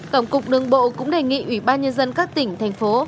tổng cục đường bộ cũng đề nghị ubnd các tỉnh thành phố